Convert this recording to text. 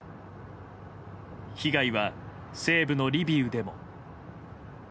被害は西部のリビウでも。